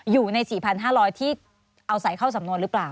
อยู่ใน๔๕๐๐ที่เอาใส่เข้าสำนวนหรือเปล่า